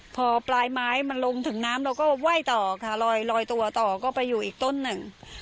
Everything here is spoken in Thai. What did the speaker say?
พอปลายไม้มันลงถึงน้ำเราก็ไหว้ต่อค่ะลอยตัวต่อก็ไปอยู่อีกต้นหนึ่ง